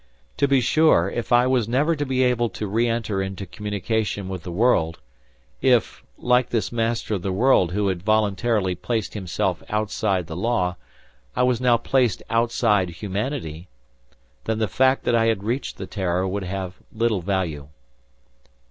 To be sure, if I was never to be able to re enter into communication with the world, if, like this Master of the World who had voluntarily placed himself outside the law, I was now placed outside humanity, then the fact that I had reached the "Terror" would have little value.